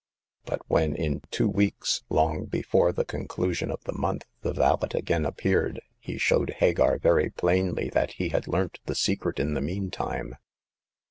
But when in two weeks — long before the con clusion of the month — the valet again appeared, he showed Hagar very plainly that he had learnt the secret in the meantime.